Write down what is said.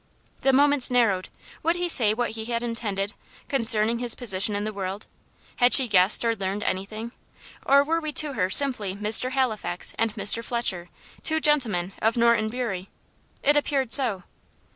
The moments narrowed. Would he say what he had intended, concerning his position in the world? Had she guessed or learned anything, or were we to her simply Mr. Halifax and Mr. Fletcher two "gentlemen" of Norton Bury? It appeared so.